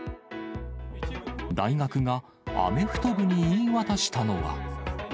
大学がアメフト部に言い渡したのは。